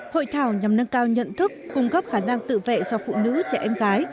hội thảo nhằm nâng cao nhận thức cung cấp khả năng tự vệ cho phụ nữ trẻ em gái